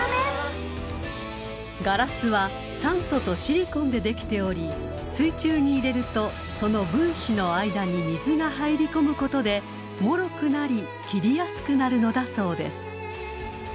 ［ガラスは酸素とシリコンでできており水中に入れるとその分子の間に水が入り込むことでもろくなり切りやすくなるのだそうです］